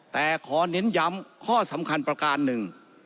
แต่ขอเน้นย้ำข้อสำคัญประการหนึ่ง